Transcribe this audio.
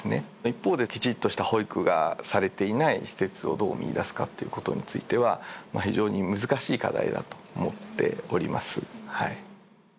一方できちっとした保育がされていない施設をどう見いだすかということについては非常に難しい課題だと思っております。